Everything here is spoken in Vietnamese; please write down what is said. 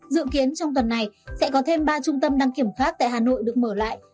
dự kiến trong tuần này sẽ có thêm ba trung tâm đăng kiểm khác tại hà nội được mở lại